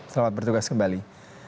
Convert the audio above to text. selamat bertugas kembali